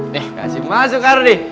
nih kasih masuk ardi